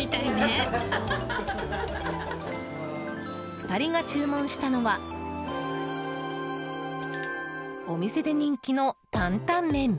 ２人が注文したのはお店で人気の担々麺。